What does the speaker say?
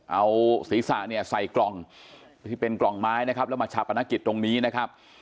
เอาศีรษะเนี่ยใส่กล่องที่เป็นกล่องไม้นะครับแล้วมาชาปนกิจตรงนี้นะครับ